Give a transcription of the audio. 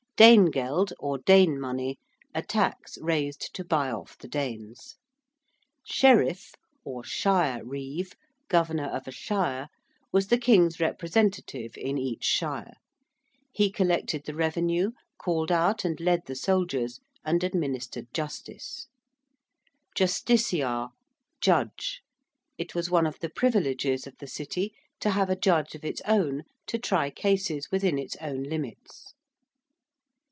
~Danegeld~, or Dane money: a tax raised to buy off the Danes. ~Sheriff~, or shire reeve, governor of a shire, was the king's representative in each shire: he collected the revenue, called out and led the soldiers, and administered justice. ~Justiciar~: judge. It was one of the privileges of the City to have a judge of its own to try cases within its own limits.